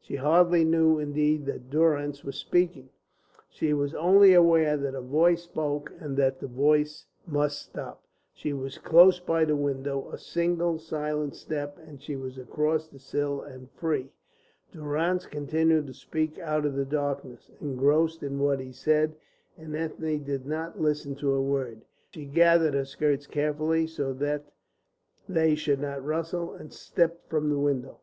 She hardly knew indeed that Durrance was speaking, she was only aware that a voice spoke, and that the voice must stop. She was close by the window; a single silent step, and she was across the sill and free. Durrance continued to speak out of the darkness, engrossed in what he said, and Ethne did not listen to a word. She gathered her skirts carefully, so that they should not rustle, and stepped from the window.